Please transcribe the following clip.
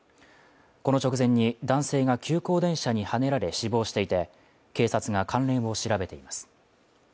この直前に、男性が急行電車にはねられ死亡していて警察が関連を調べています。